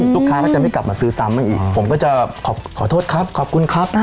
ก็จะไม่กลับมาซื้อซ้ำอีกผมก็จะขอโทษครับขอบคุณครับ